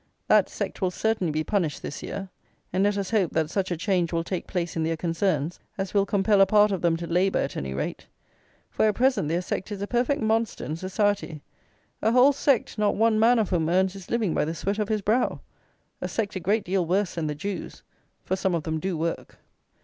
That sect will certainly be punished, this year; and, let us hope, that such a change will take place in their concerns as will compel a part of them to labour, at any rate; for, at present, their sect is a perfect monster in society; a whole sect, not one man of whom earns his living by the sweat of his brow. A sect a great deal worse than the Jews; for some of them do work.